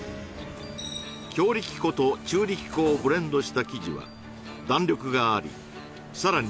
強力粉と中力粉をブレンドした生地は弾力がありさらに